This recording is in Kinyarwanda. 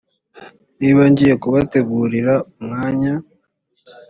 niba ngiye kubategurira umwanya